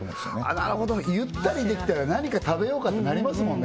なるほどゆったりできたら何か食べようかってなりますもんね